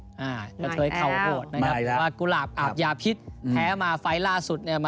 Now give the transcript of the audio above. ก็เท้าโหดนะครับว่ากุหลาบอาบยาพิษแพ้มาไฟล์สุด